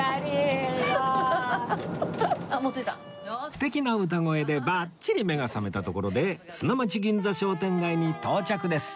素敵な歌声でバッチリ目が覚めたところで砂町銀座商店街に到着です